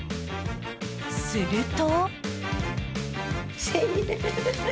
すると。